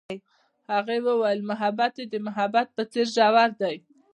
هغې وویل محبت یې د محبت په څېر ژور دی.